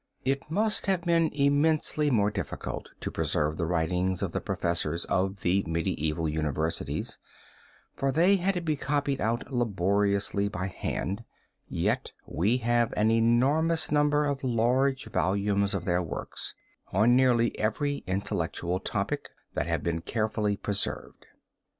It must have been immensely more difficult to preserve the writings of the professors of the medieval universities for they had to be copied out laboriously by hand, yet we have an enormous number of large volumes of their works, on nearly every intellectual topic, that have been carefully preserved.